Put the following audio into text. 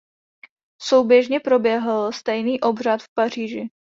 Souběžně proběhl stejný obřad v Paříži.